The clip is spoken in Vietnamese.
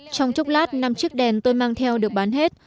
trong chốc lát năm chiếc đèn tôi mang theo được bán hết